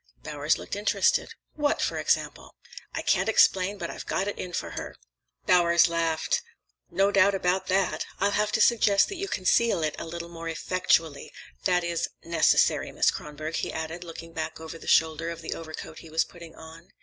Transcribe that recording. Bowers looked interested. "What, for example?" "I can't explain, but I've got it in for her." Bowers laughed. "No doubt about that. I'll have to suggest that you conceal it a little more effectually. That is—necessary, Miss Kronborg," he added, looking back over the shoulder of the overcoat he was putting on.